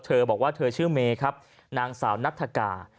เธอบอกว่าเธอชื่อเมครับนางสาวนัฐกา